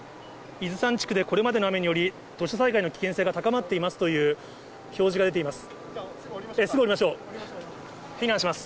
伊豆山地区でこれまでの雨により、土砂災害の危険性が高まっていますという表示が出ています。